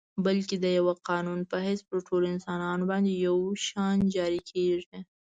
بلکه د یوه قانون په حیث پر ټولو انسانانو باندي یو شان جاري کیږي.